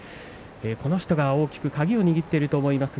この人が大きく鍵を握っていると思います。